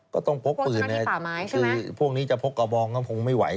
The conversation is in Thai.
ก็ต้องพกปืนพวกนี้จะพกกระบองก็คงไม่ไหว